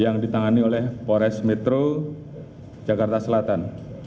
yang ditangani oleh pores metro jakarta selatan